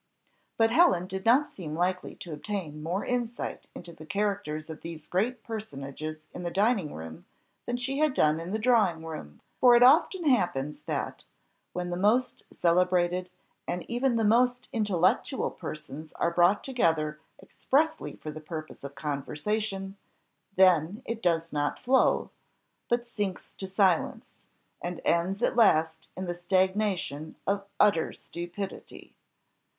But Helen did not seem likely to obtain more insight into the characters of these great personages in the dining room than she had done in the drawing room. For it often happens that, when the most celebrated, and even the most intellectual persons are brought together expressly for the purpose of conversation, then it does not flow, but sinks to silence, and ends at last in the stagnation of utter stupidity.